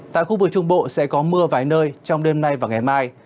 tại khu vực trung bộ sẽ có mưa vài nơi trong đêm nay và ngày mai